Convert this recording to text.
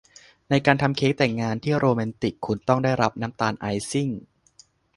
ในการทำเค้กแต่งงานที่โรแมนติกคุณต้องได้รับน้ำตาลไอซิ่ง